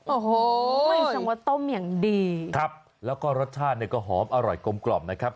โอ้โหจังหวะต้มอย่างดีครับแล้วก็รสชาติเนี่ยก็หอมอร่อยกลมกล่อมนะครับ